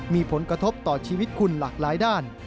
มีผลกระทบต่อชีวิตคุณหลากหลายด้าน